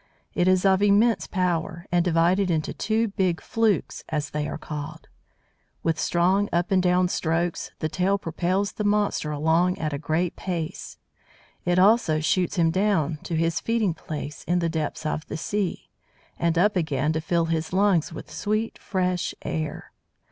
It is of immense power, and divided into two big "flukes," as they are called. With strong up and down strokes the tail propels the monster along at a great pace. It also shoots him down to his feeding place in the depths of the sea, and up again to fill his lungs with sweet fresh air.